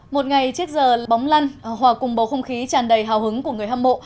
một ngày chiếc giờ bóng lăn hòa cùng bầu không khí tràn đầy hào hứng của người hâm mộ